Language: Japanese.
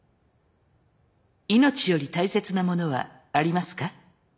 命より大切なものはありますか？